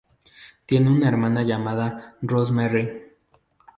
Tiene una hermana llamada Rosemary.